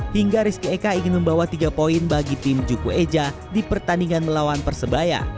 hingga rizky eka ingin membawa tiga poin bagi tim juku eja di pertandingan melawan persebaya